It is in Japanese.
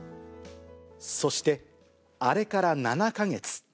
そして、あれから７か月。